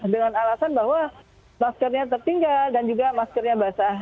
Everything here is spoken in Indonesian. dengan alasan bahwa maskernya tertinggal dan juga maskernya basah